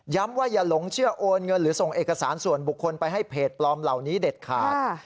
ว่าอย่าหลงเชื่อโอนเงินหรือส่งเอกสารส่วนบุคคลไปให้เพจปลอมเหล่านี้เด็ดขาด